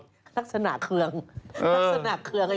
ทำลักษณะเครืองทำลักษณะเครือง